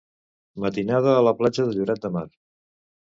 Matinada a la platja de Lloret de Mar.